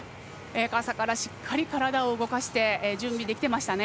朝からしっかり体を動かして準備できていましたね。